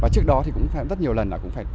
trước đó rất nhiều lần cũng phải